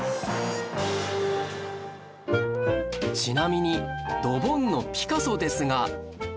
ちなみにドボンのピカソですが